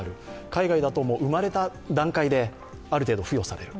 海外だと生まれた段階で、ある程度付与される。